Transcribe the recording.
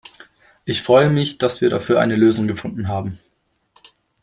Ich freue mich, dass wir dafür eine Lösung gefunden haben.